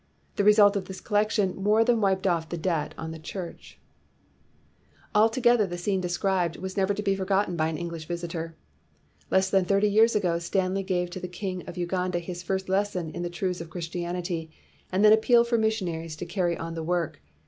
The result of this collection more than wiped off the debt on the church. 278 Load after Load of Offerings Came Through the Doors" DID IT PAY? "Altogether the scene described was never to be forgotten by an English visitor. Less than thirty years ago, Stanley gave to the king of Uganda his first lesson in the truths of Christianty, and then appealed for missionaries to carry on the work.